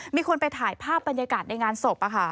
มีคนไปถ่ายภาพบรรยากาศในงานศพ